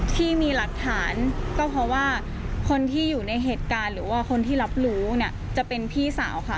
ที่มีหลักฐานก็เพราะว่าคนที่อยู่ในเหตุการณ์หรือว่าคนที่รับรู้เนี่ยจะเป็นพี่สาวค่ะ